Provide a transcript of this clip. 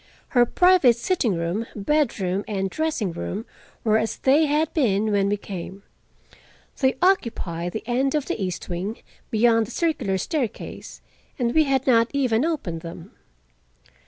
Her private sitting room, bedroom and dressing room were as they had been when we came. They occupied the end of the east wing, beyond the circular staircase, and we had not even opened them.